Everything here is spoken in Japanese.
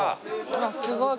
うわっすごい。